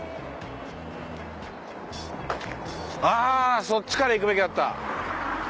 あそっちから行くべきだった。